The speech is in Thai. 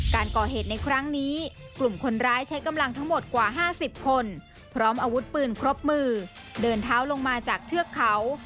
การก่อเหตุในครั้งนี้กลุ่มคนร้ายใช้กำลังทั้งหมดกว่า๕๐คนพร้อมอาวุธปืนครบมือเดินเท้าลงมาจากเทือกเขา